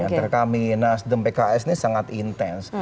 antara kami nasdem pks ini sangat intens